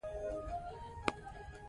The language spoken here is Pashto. دا دقت د خلکو ترمنځ باور پیاوړی کوي.